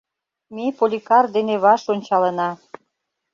Ме Поликар дене ваш ончалына.